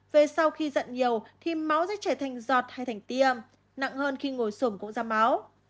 về sau khi giận nhiều thì máu sẽ chảy thành giọt hay thành tia nặng hơn khi ngồi xuồng cũng ra máu